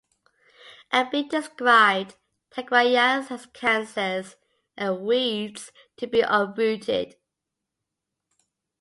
Abiy described Tigrayans as "cancers and weeds to be uprooted".